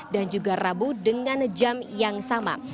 juga rabu dengan jam yang sama